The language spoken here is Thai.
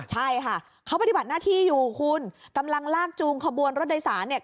ใช่ค่ะเขาปฏิบัติหน้าที่อยู่คุณกำลังลากจูงขบวนรถโดยสารเนี่ย